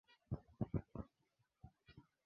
Moyo wangu una mambo mema